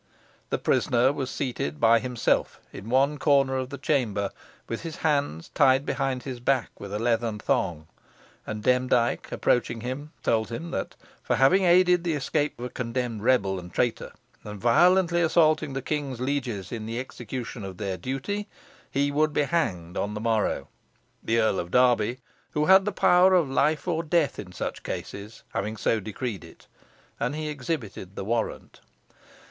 The prisoner was seated by himself in one corner of the chamber, with his hands tied behind his back with a leathern thong, and Demdike approaching him, told him that, for having aided the escape of a condemned rebel and traitor, and violently assaulting the king's lieges in the execution of their duty, he would be hanged on the morrow, the Earl of Derby, who had power of life or death in such cases, having so decreed it. And he exhibited the warrant.